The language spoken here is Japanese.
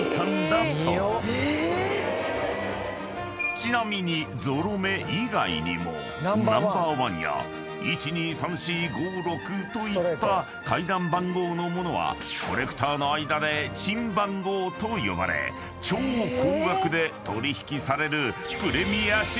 ［ちなみにゾロ目以外にもナンバー１や１２３４５６といった階段番号のものはコレクターの間で珍番号と呼ばれ超高額で取引される］